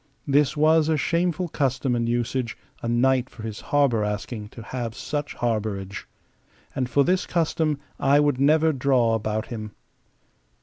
This was a shameful custom and usage, a knight for his harbour asking to have such harbourage. And for this custom I would never draw about him.